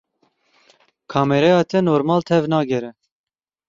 kameraya te normal tevnagere.